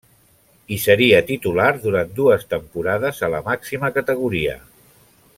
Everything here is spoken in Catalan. Hi seria titular durant dues temporades a la màxima categoria.